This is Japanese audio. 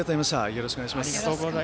よろしくお願いします。